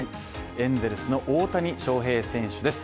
エンゼルスの大谷翔平選手です。